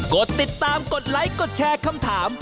กดติดตามกดไลค์กดแชร์คำถาม